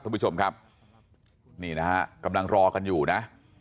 คุณผู้ชมครับนี่นะฮะกำลังรอกันอยู่นะ